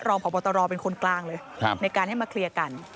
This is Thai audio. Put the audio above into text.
รองพบตรเป็นคนกลางเลยในการให้มาเคลียร์กัน